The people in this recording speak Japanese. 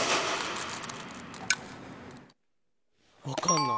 分かんない。